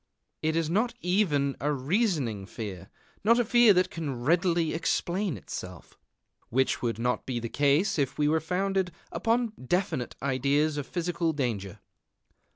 It is not even a reasoning fear, not a fear that can readily explain itself, which would not be the case if it were founded upon definite ideas of physical danger.